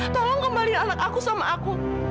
tolong kembali anak aku sama aku